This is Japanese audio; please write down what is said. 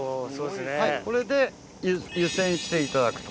これで湯煎していただくと。